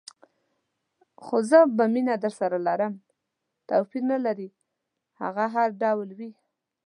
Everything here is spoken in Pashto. خو زه به مینه درسره لرم، توپیر نه لري هغه هر ډول وي.